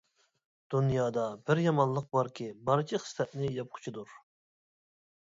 دۇنيادا بىر يامانلىق باركى بارچە خىسلەتنى ياپقۇچىدۇر.